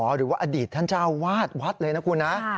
หรือว่าอดีตท่านเจ้าวาดวัดเลยนะคุณนะ